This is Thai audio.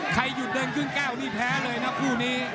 ใครหยุดเดินครึ่งแก้วนี่แพ้เลยนะคู่นี้